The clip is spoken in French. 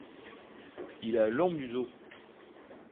Il a un long museau.